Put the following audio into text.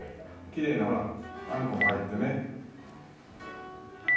きれいなほらあんこも入ってね。